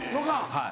はい。